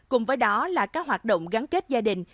cùng với đó là các hoạt động gắn kết gia đình